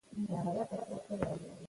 په غرور او په خندا دام ته نیژدې سو